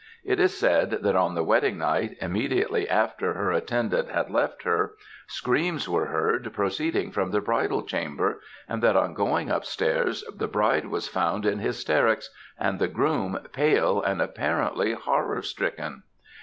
It is said that on the wedding night, immediately after her attendant had left her, screams were heard proceeding from the bridal chamber; and that on going upstairs, the bride was found in hysterics, and the groom pale, and apparently horror stricken.